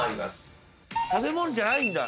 食べ物じゃないんだ。